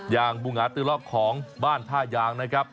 อย่างบูหงาตือล็อกของบ้านท่ายางนะครับ